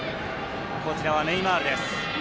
こちらはネイマールです。